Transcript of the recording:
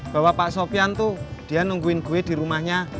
bahwa pak sofian tuh dia nungguin gue di rumahnya